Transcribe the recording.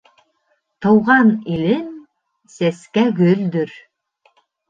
Тыуған илем-сәскә гөлдөр.